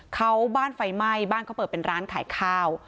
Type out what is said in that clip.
เขาบ้านไฟไหม้บ้านเขาเปิดเป็นร้านขายข้าว